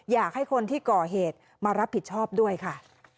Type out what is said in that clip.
อยากให้คนที่ก่อเหตุมารับผิดชอบด้วยค่ะ